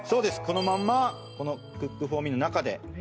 このまんまこのクックフォーミーの中で。